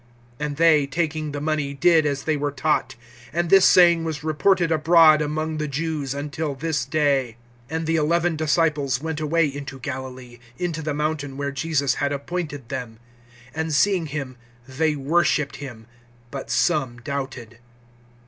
(15)And they, taking the money, did as they were taught. And this saying was reported abroad among the Jews, until this day. (16)And the eleven disciples went away into Galilee, into the mountain where Jesus had appointed them. (17)And seeing him, they worshiped him; but some doubted.